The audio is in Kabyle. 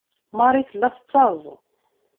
Marie tella tettaẓ.